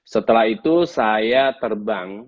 setelah itu saya terbang